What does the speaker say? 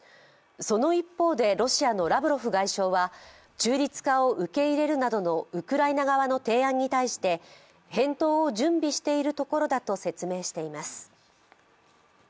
その一方で、ロシアのラブロフ外相は中立化を受け入れるなどのウクライナ側の提案に対して返答を準備しているところだと説明しています。